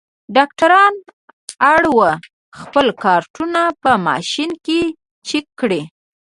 ډاکټران اړ وو خپل کارټونه په ماشین کې چک کړي.